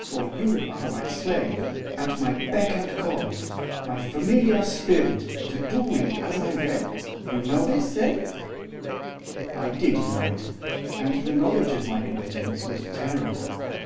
For you are my slave, at my beck and call, my familiar spirit, to do with as I will, you know this, eh?' I did know it, and the knowledge of my impotence was terrible.